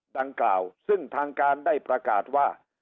ดังกล่าวซึ่งทางการได้ประกาศว่า